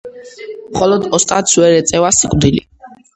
მხოლოდ ოსტატს ვერ ეწევა სიკვდილი.